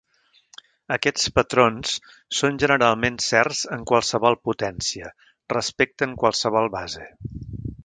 Aquests patrons són generalment certs en qualsevol potència, respecte en qualsevol base.